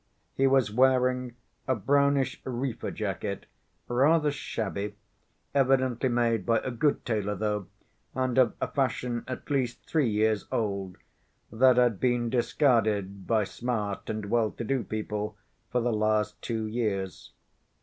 He was wearing a brownish reefer jacket, rather shabby, evidently made by a good tailor though, and of a fashion at least three years old, that had been discarded by smart and well‐to‐do people for the last two years.